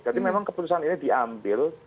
jadi memang keputusan ini diambil